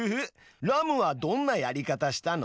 ラムはどんなやり方したの？